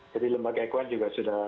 jadi lembaga eijkman juga sudah